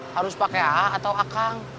harus pakai a atau akang